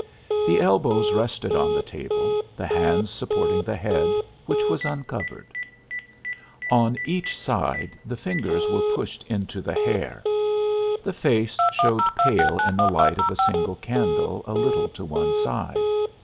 The elbows rested on the table, the hands supporting the head, which was uncovered. On each side the fingers were pushed into the hair. The face showed dead yellow in the light of a single candle a little to one side.